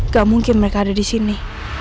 gak mungkin mereka ada disini